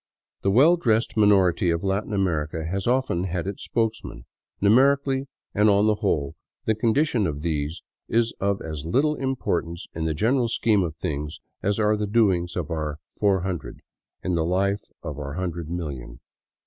The well dressed minority of Latin America has often had its spokesman; numerically, and on the whole, the condition of these is of as little importance in the general scheme of things as are the doings of our " Four Hundred " in the life of our hundred million.